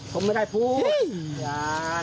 ผมไม่ได้พูด